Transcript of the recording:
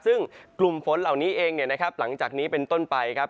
ซึ่งกลุ่มฝนเหล่านี้เองเนี่ยนะครับหลังจากนี้เป็นต้นไปครับ